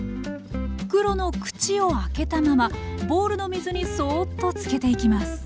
袋の口を開けたままボウルの水にそっとつけていきます